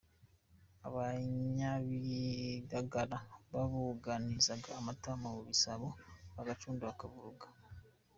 Abanyabigagara : Babuganizaga amata mu bisabo bagacunda bakavuruga.